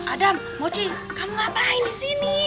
adam mochi kamu ngapain disini